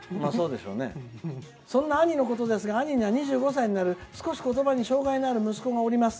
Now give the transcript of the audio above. そんな兄のことですが兄が２５歳になり少し言葉に障害のある息子がおります。